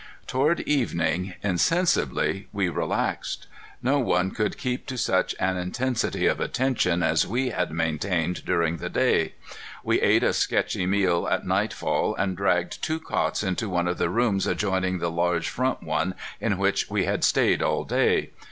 Toward evening insensibly we relaxed. No one could keep to such an intensity of attention as we had maintained during the day. We ate a sketchy meal at nightfall and dragged two cots into one of the rooms adjoining the large front one in which we had stayed all day.